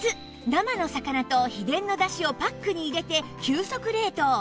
生の魚と秘伝のだしをパックに入れて急速冷凍